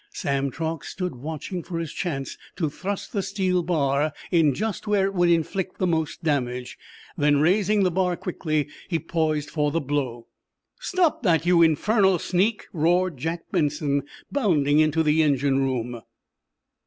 Sam Truax stood watching for his chance to thrust the steel bar in just where it would inflict the most damage. Then raising the bar quickly, he poised for the blow. "Stop that, you infernal sneak!" roared Jack Benson, bounding into the engine room.